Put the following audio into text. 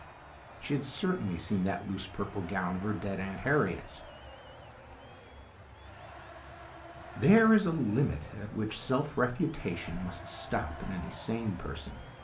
She had certainly seen that loose purple gown of her dead Aunt Harriet's. There is a limit at which self refutation must stop in any sane person.